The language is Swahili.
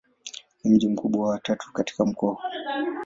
Ni mji mkubwa wa tatu katika mkoa huu.